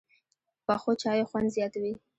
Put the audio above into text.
پخو چایو خوند زیات وي